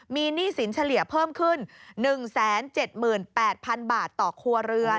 มีหนี้สินเฉลี่ยเพิ่มขึ้น๑๗๘๐๐๐บาทต่อครัวเรือน